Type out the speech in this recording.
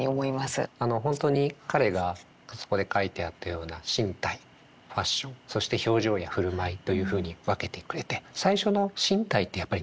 あの本当に彼がそこで書いてあったような身体ファッションそして表情やふるまいというふうに分けてくれて最初の身体ってやっぱりなかなか